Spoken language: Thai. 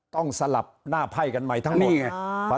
ต้องสลับหน้าไพ่กันใหม่ทั้งหมดนี่ไงอ่า